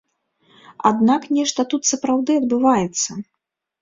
Аднак нешта тут сапраўды адбываецца.